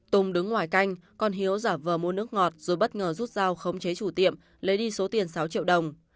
tùng đứng ngoài canh con hiếu giả vờ mua nước ngọt rồi bất ngờ rút dao khống chế chủ tiệm lấy đi số tiền sáu triệu đồng